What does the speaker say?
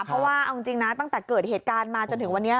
เพราะว่าตั้งแต่เกิดเหตุการณ์มาจนถึงวันนี้